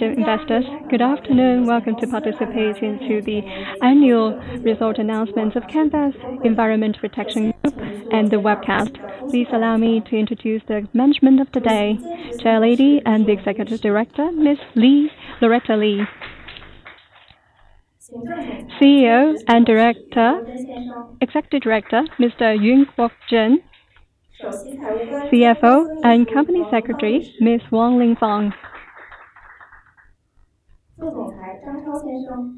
Investors, good afternoon. Welcome to participating to the annual result announcements of Canvest Environmental Protection Group and the webcast. Please allow me to introduce the management of today. Chairlady and the Executive Director, Loretta Lee. CEO and Executive Director, Mr. Yuan Guozhen. CFO and Company Secretary, Ms. Wong Ling Fong.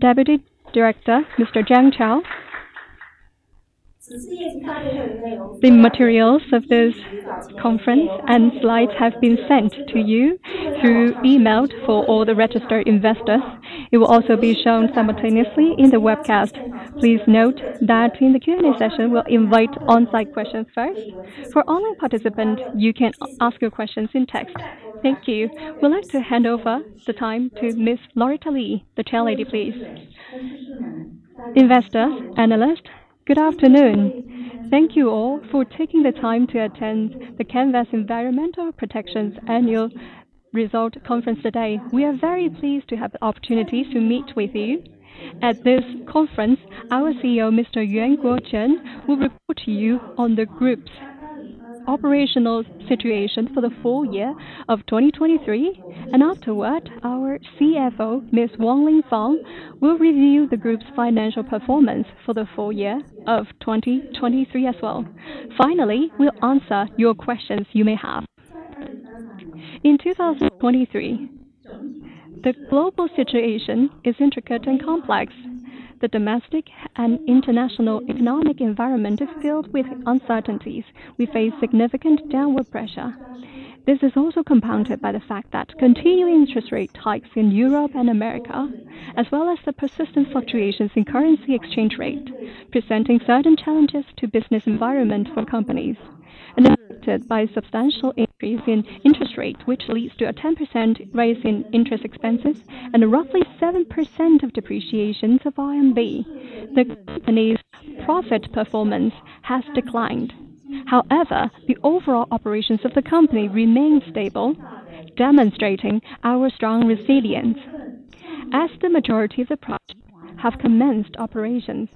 Deputy Director, Mr. Zhang Chao. The materials of this conference and slides have been sent to you through email for all the registered investors. It will also be shown simultaneously in the webcast. Please note that in the Q&A session, we'll invite on-site questions first. For online participants, you can ask your questions in text. Thank you. We'd like to hand over the time to Ms. Loretta Lee, the chairlady, please. Investor, analyst, good afternoon. Thank you all for taking the time to attend the Canvest Environmental Protection's annual result conference today. We are very pleased to have the opportunity to meet with you. At this conference, our CEO, Mr. Yuan Guozhen will report to you on the group's operational situation for the full year of 2023. Afterward, our CFO, Ms. Wong Ling Fong will review the group's financial performance for the full year of 2023 as well. Finally, we'll answer your questions you may have. In 2023, the global situation is intricate and complex. The domestic and international economic environment is filled with uncertainties. We face significant downward pressure. This is also compounded by the fact that continuing interest rate hikes in Europe and America, as well as the persistent fluctuations in currency exchange rate, presenting certain challenges to business environment for companies. Affected by substantial increase in interest rates, which leads to a 10% rise in interest expenses and roughly 7% of depreciations of RMB, the company's profit performance has declined. However, the overall operations of the company remain stable, demonstrating our strong resilience. As the majority of the projects have commenced operations,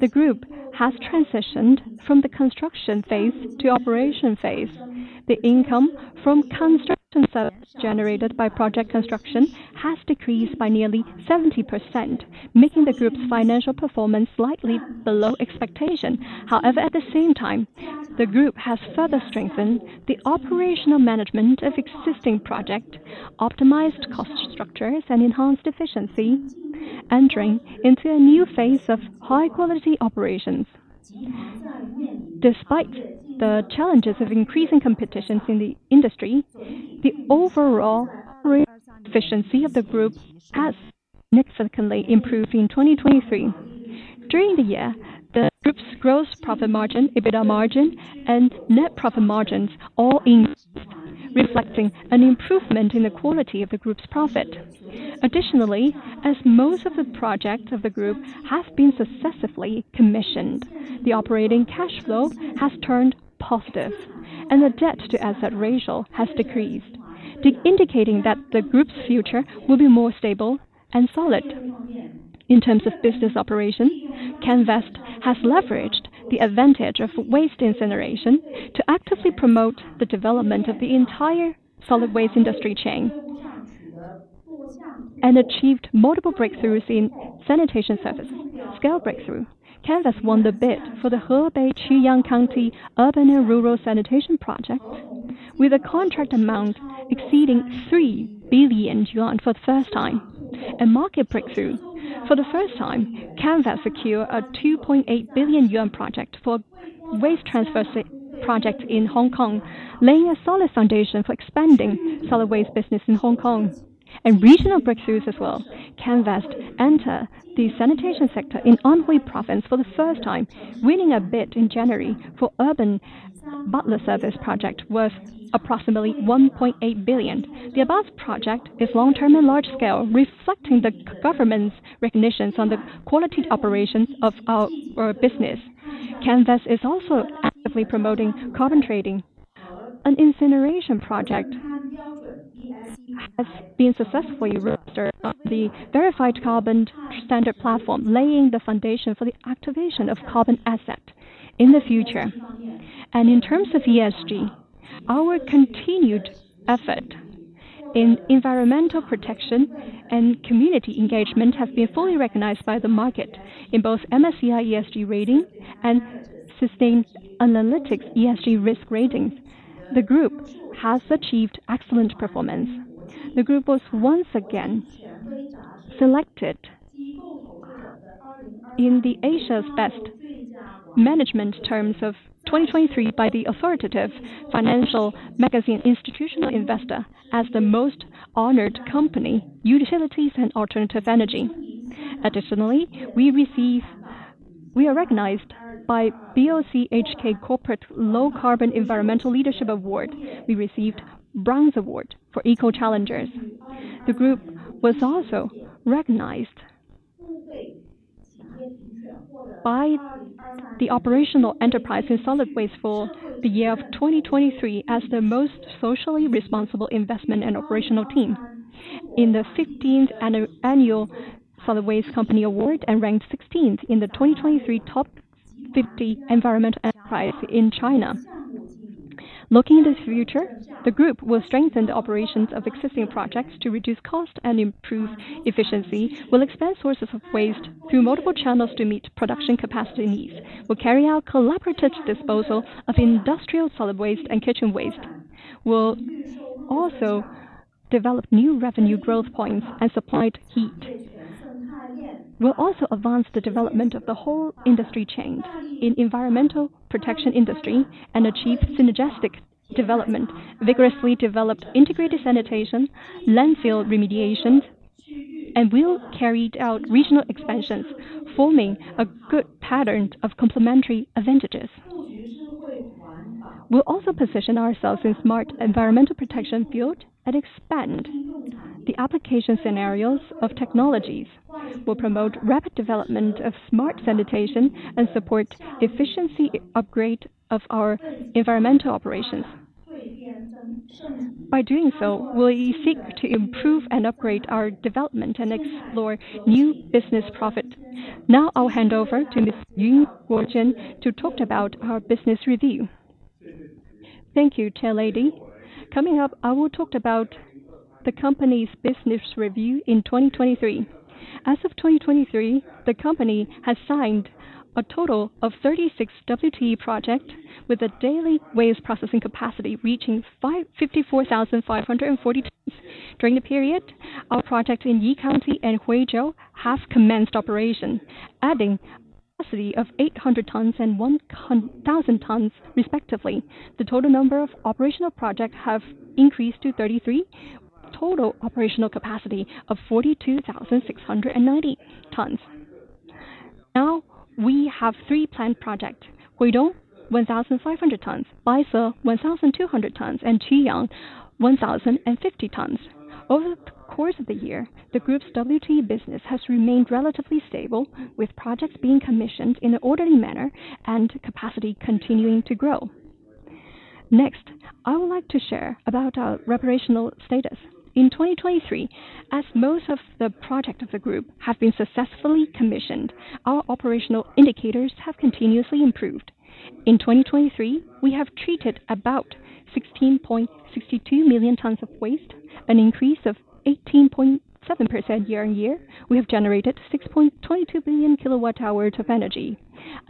the group has transitioned from the construction phase to operation phase. The income from construction service generated by project construction has decreased by nearly 70%, making the group's financial performance slightly below expectation. However, at the same time, the group has further strengthened the operational management of existing project, optimized cost structures and enhanced efficiency, entering into a new phase of high-quality operations. Despite the challenges of increasing competitions in the industry, the overall efficiency of the group has significantly improved in 2023. During the year, the group's gross profit margin, EBITDA margin, and net profit margins all increased, reflecting an improvement in the quality of the group's profit. Additionally, as most of the projects of the group have been successfully commissioned, the operating cash flow has turned positive and the debt-to-asset ratio has decreased, indicating that the group's future will be more stable and solid. In terms of business operation, Canvest has leveraged the advantage of waste incineration to actively promote the development of the entire solid waste industry chain and achieved multiple breakthroughs in sanitation services. Scale breakthrough. Canvest won the bid for the Hebei Quyang County Urban and Rural Sanitation project, with a contract amount exceeding 3 billion yuan for the first time. A market breakthrough. For the first time, Canvest secure a 2.8 billion yuan project for waste transfer project in Hong Kong, laying a solid foundation for expanding solid waste business in Hong Kong, regional breakthroughs as well. Canvest enter the sanitation sector in Anhui province for the first time, winning a bid in January for urban butler service project worth approximately 1.8 billion. The above project is long-term and large-scale, reflecting the government's recognitions on the quality operations of our business. Canvest is also actively promoting carbon trading. An incineration project has been successfully registered on the Verified Carbon Standard platform, laying the foundation for the activation of carbon asset in the future. In terms of ESG, our continued effort in environmental protection and community engagement have been fully recognized by the market. In both MSCI ESG rating and Sustainalytics ESG risk ratings, the group has achieved excellent performance. The group was once again selected in the All-Asia Executive Team of 2023 by the authoritative financial magazine Institutional Investor as the most honored company, utilities and alternative energy. Additionally, we are recognized by BOCHK Corporate Low-Carbon Environmental Leadership Awards. We received Bronze Award for EcoChallenger. The group was also recognized by the operational enterprise in solid waste for the year of 2023 as the most socially responsible investment and operational team. In the 15th annual Solid Waste Company Awards and ranked 16th in the 2023 top 50 environmental enterprise in China. Looking to the future, the group will strengthen the operations of existing projects to reduce cost and improve efficiency, will expand sources of waste through multiple channels to meet production capacity needs. We're carrying out collaborative disposal of industrial solid waste and kitchen waste. We'll also develop new revenue growth points and supplied heat. We'll also advance the development of the whole industry chain in environmental protection industry and achieve synergistic development, vigorously develop integrated sanitation, landfill remediations, and we'll carry out regional expansions, forming a good pattern of complementary advantages. We'll also position ourselves in smart environmental protection field and expand the application scenarios of technologies. We'll promote rapid development of smart sanitation and support efficiency upgrade of our environmental operations. By doing so, we seek to improve and upgrade our development and explore new business profit. Now, I'll hand over to Miss Yuan Guozhen to talk about our business review. Thank you, Chairlady. Coming up, I will talk about the company's business review in 2023. As of 2023, the company has signed a total of 36 WTE project with a daily waste processing capacity reaching 54,540 tons. During the period, our projects in Yi County and Huizhou have commenced operation, adding a capacity of 800 tons and 1,000 tons respectively. The total number of operational projects have increased to 33, total operational capacity of 42,690 tons. Now, we have three plant project, Huidong, 1,500 tons, Baise, 1,200 tons and Quyang, 1,050 tons. Over the course of the year, the group's WTE business has remained relatively stable, with projects being commissioned in an orderly manner and capacity continuing to grow. Next, I would like to share about our operational status. In 2023, as most of the project of the group have been successfully commissioned, our operational indicators have continuously improved. In 2023, we have treated about 16.62 million tons of waste, an increase of 18.7% year-on-year. We have generated 6.22 billion kWh of energy,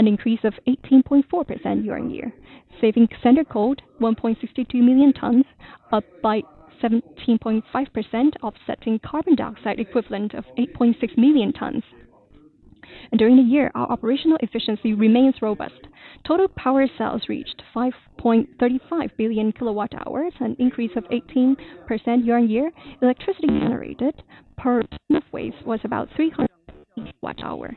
an increase of 18.4% year-on-year. Saving standard coal, 1.62 million tons, up by 17.5%, offsetting carbon dioxide equivalent of 8.6 million tons. During the year, our operational efficiency remains robust. Total power sales reached 5.35 billion kWh, an increase of 18% year-on-year. Electricity generated per ton of waste was about 300 kWh.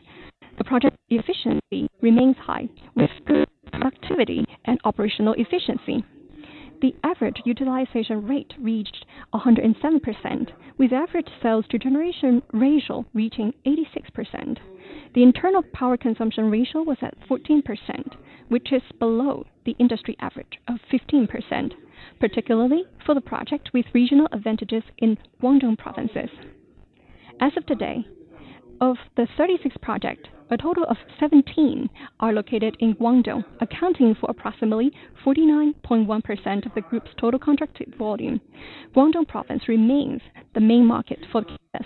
The project efficiency remains high with good productivity and operational efficiency. The average utilization rate reached 107%, with average sales to generation ratio reaching 86%. The internal power consumption ratio was at 14%, which is below the industry average of 15%, particularly for the project with regional advantages in Guangdong province. As of today, of the 36 project, a total of 17 are located in Guangdong, accounting for approximately 49.1% of the group's total contracted volume. Guangdong province remains the main market for us.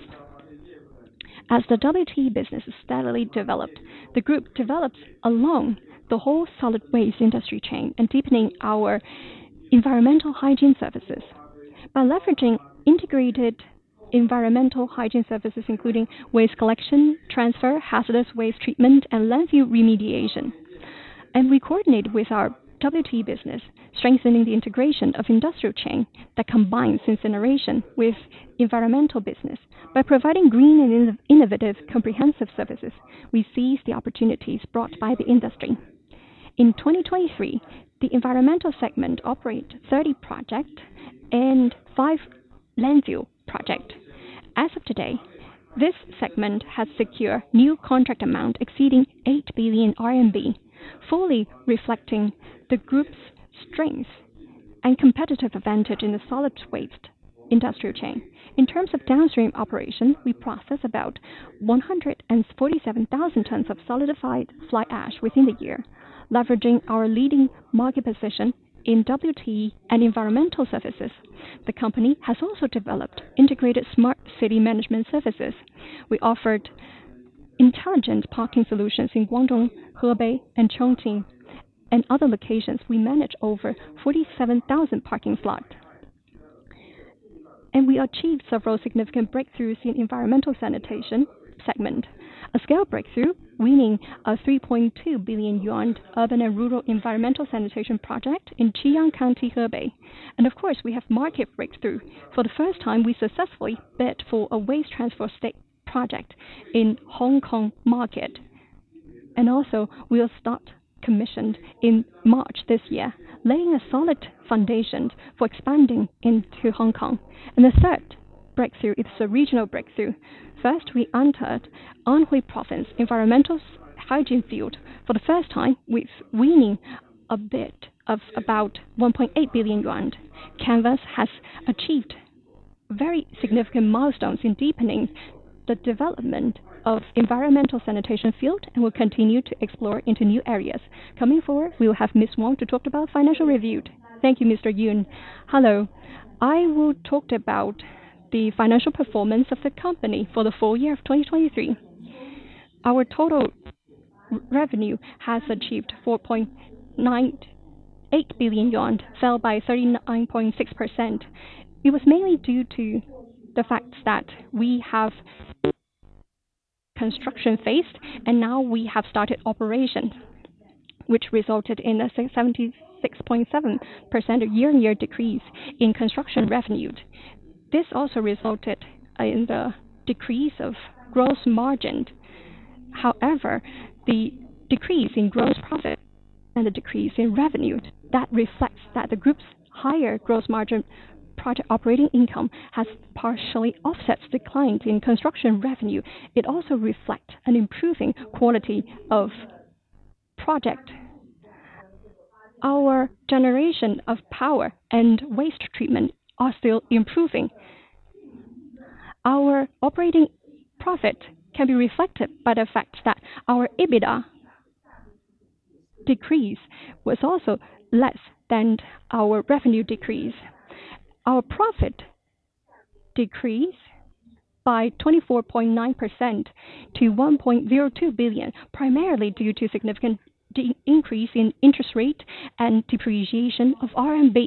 As the WTE business is steadily developed, the group develops along the whole solid waste industry chain and deepening our environmental sanitation services. By leveraging integrated environmental sanitation services, including waste collection, transfer, hazardous waste treatment, and landfill remediation. We coordinate with our WTE business, strengthening the integration of industrial chain that combines incineration with environmental business. By providing green and innovative comprehensive services, we seize the opportunities brought by the industry. In 2023, the environmental segment operates 30 projects and five landfill projects. As of today, this segment has secure new contract amount exceeding RMB 8 billion, fully reflecting the group's strengths and competitive advantage in the solid waste industrial chain. In terms of downstream operations, we process about 147,000 tons of solidified fly ash within the year. Leveraging our leading market position in WTE and environmental services, the company has also developed integrated smart city management services. We offered intelligent parking solutions in Guangdong, Hebei, and Chongqing and other locations. We manage over 47,000 parking slots. We achieved several significant breakthroughs in environmental sanitation services. A scale breakthrough, winning a 3.2 billion yuan urban and rural environmental sanitation project in Quyang County, Hebei. Of course, we have market breakthrough. For the first time, we successfully bid for a waste transfer project in Hong Kong market. We'll start commission in March this year, laying a solid foundation for expanding into Hong Kong. The third breakthrough, it's a regional breakthrough. First, we entered Anhui Province environmental hygiene field for the first time with winning a bid of about 1.8 billion yuan. Canvest has achieved very significant milestones in deepening the development of environmental sanitation field and will continue to explore into new areas. Coming forward, we will have Ms. Wong to talk about financial review. Thank you, Mr. Yuan. Hello. I will talk about the financial performance of the company for the full year of 2023. Our total revenue has achieved 4.98 billion yuan, fell by 39.6%. It was mainly due to the fact that we have construction phase and now we have started operation, which resulted in a 76.7% year-on-year decrease in construction revenue. This also resulted in the decrease of gross margin. The decrease in gross profit and the decrease in revenue, that reflects that the group's higher gross margin project operating income has partially offset the decline in construction revenue. It also reflect an improving quality of project. Our generation of power and waste treatment are still improving. Our operating profit can be reflected by the fact that our EBITDA decrease was also less than our revenue decrease. Our profit decreased by 24.9% to 1.02 billion, primarily due to significant increase in interest rate and depreciation of RMB.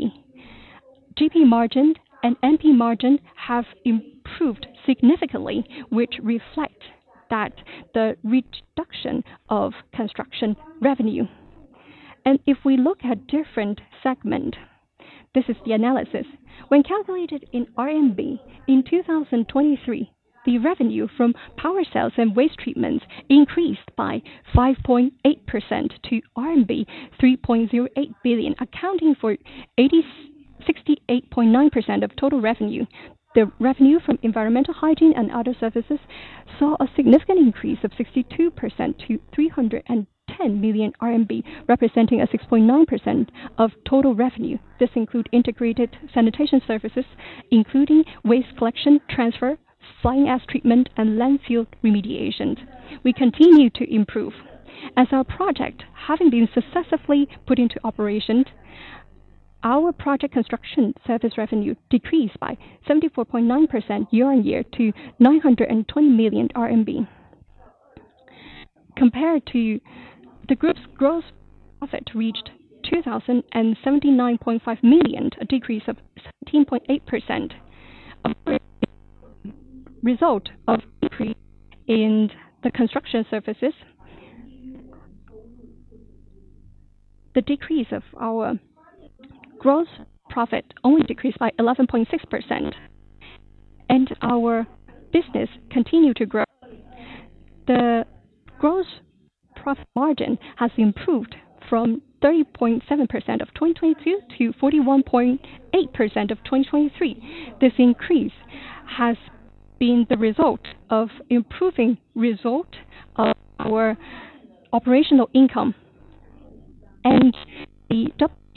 GP margin and NP margin have improved significantly, which reflect that the reduction of construction revenue. If we look at different segment, this is the analysis. When calculated in RMB, in 2023, the revenue from power sales and waste treatments increased by 5.8% to RMB 3.08 billion, accounting for 68.9% of total revenue. The revenue from environmental sanitation and other services saw a significant increase of 62% to 310 million RMB, representing a 6.9% of total revenue. This include integrated sanitation services, including waste collection, transfer, fly ash treatment, and landfill remediations. We continue to improve. As our project having been successfully put into operation, our project construction service revenue decreased by 74.9% year-on-year to RMB 920 million. Compared to the group's gross profit reached 2,079.5 million, a decrease of 17.8%. A result of decrease in the construction services. The decrease of our gross profit only decreased by 11.6% and our business continue to grow. The Gross Profit margin has improved from 30.7% of 2022 to 41.8% of 2023. This increase has been the result of improving result of our operational income and the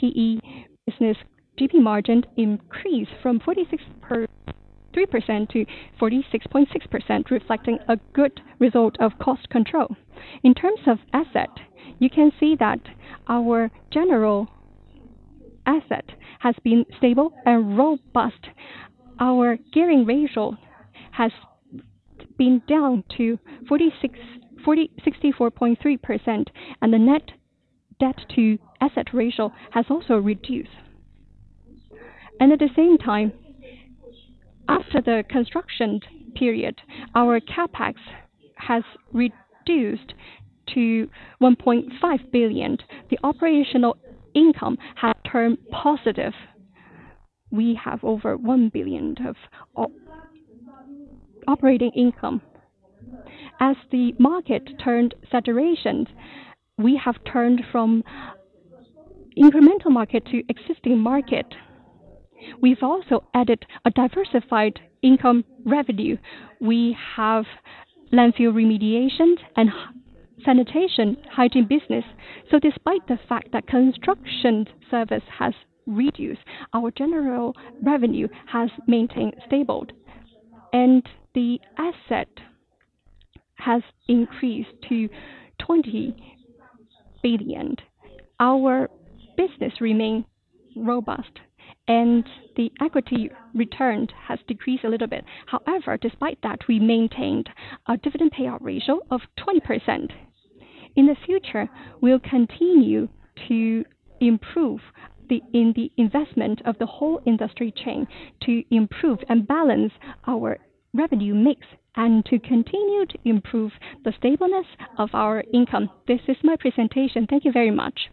WTE business GP margin increased from 46.3%-46.6%, reflecting a good result of cost control. In terms of asset, you can see that our general asset has been stable and robust. Our gearing ratio has been down to 64.3% and the net debt to asset ratio has also reduced. At the same time, after the construction period, our CapEx has reduced to 1.5 billion. The operational income has turned positive. We have over 1 billion of operating income. As the market turned saturation, we have turned from incremental market to existing market. We've also added a diversified income revenue. We have landfill remediations and sanitation hygiene business. Despite the fact that construction service has reduced, our general revenue has maintained stable and the asset has increased to 20 billion. Our business remain robust and the equity return has decreased a little bit. However, despite that, we maintained a dividend payout ratio of 20%. In the future, we'll continue to improve the investment of the whole industry chain to improve and balance our revenue mix and to continue to improve the stableness of our income. This is my presentation. Thank you very much.